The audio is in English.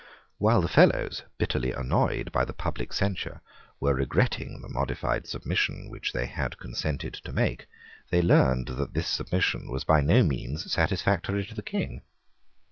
While the Fellows, bitterly annoyed by the public censure, were regretting the modified submission which they had consented to make, they learned that this submission was by no means satisfactory to the King.